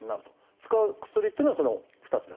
使う薬っていうのはその２つだけ？